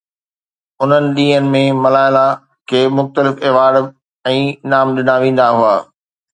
انهن ڏينهن ۾ ملاله کي مختلف ايوارڊ ۽ انعام ڏنا ويندا هئا.